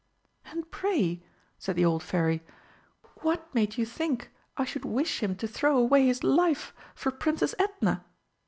"And pray," said the old Fairy, "what made you think I should wish him to throw away his life for Princess Edna?"